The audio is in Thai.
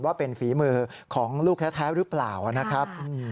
ว่าเป็นฝีมือของลูกแท้หรือเปล่านะครับ